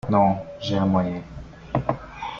Non… j’ai un moyen…